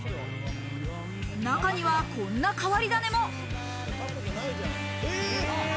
中にはこんな変り種も。